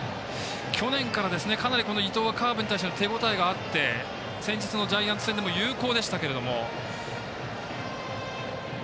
去年から、かなり伊藤はカーブに対しての手応えがあって先日のジャイアンツ戦でも有効でしたけども。